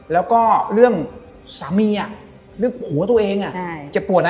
แล้วก็เรื่องสามีเรื่องผัวตัวเองเจ็บปวดนะ